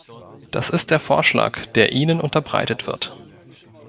Das ist der Vorschlag, der Ihnen unterbreitet wird.